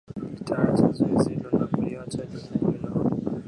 litaachaa zoezi hilo na kuliacha jukumu hilo